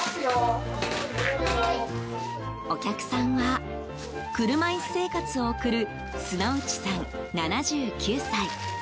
お客さんは車いす生活を送る須内さん、７９歳。